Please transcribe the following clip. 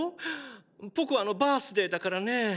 ポコアのバースデーだからね！